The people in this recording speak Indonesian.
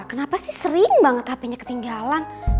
kenapa sih sering banget hapenya ketinggalan